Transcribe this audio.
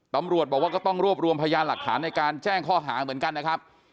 ตำรวจบอกว่าก็ต้องรวบรวมพยานหลักฐานในการแจ้งข้อหาเหมือนกันนะครับ